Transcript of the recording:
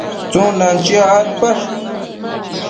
tsundan chiac adpash?